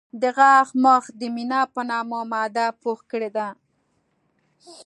د غاښ مخ د مینا په نامه ماده پوښ کړی دی.